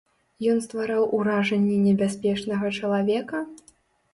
Ён ствараў уражанне небяспечнага чалавека?